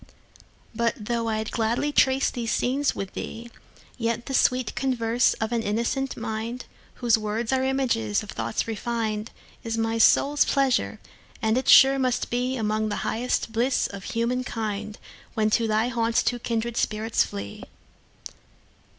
But though I'll gladly trace these scenes with thee, Yet the sweet converse of an innocent mind, Whose words are images of thoughts refin'd, Is my soul's pleasure; and it sure must beAlmost the highest bliss of human kind, When to thy haunts two kindred spirits flee.